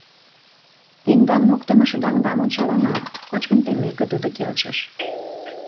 Тендан моктымо шыдаҥдам ончалына, — кочкын теммеке, тудо келшыш.